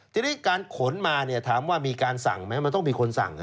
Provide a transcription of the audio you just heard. ทีนี้การขนมาถามว่ามีการสั่งไหมมันต้องมีคนสั่ง